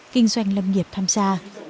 kinh doanh lâm nghiệp tham gia